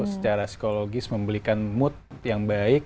secara psikologis membelikan mood yang baik